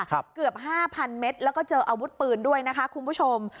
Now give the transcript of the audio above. เกือบห้าพันเมตรแล้วก็เจออาวุธปืนด้วยนะคะคุณผู้ชม